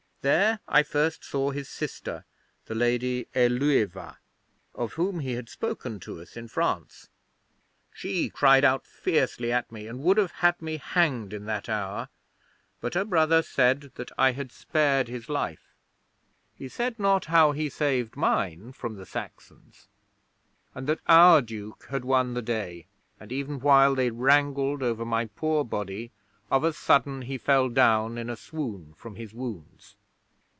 There I first saw his sister, the Lady Ælueva, of whom he had spoken to us in France. She cried out fiercely at me, and would have had me hanged in that hour, but her brother said that I had spared his life he said not how he saved mine from the Saxons and that our Duke had won the day; and even while they wrangled over my poor body, of a sudden he fell down in a swoon from his wounds.